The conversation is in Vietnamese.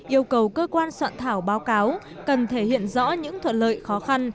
yêu cầu cơ quan soạn thảo báo cáo cần thể hiện rõ những thuận lợi khó khăn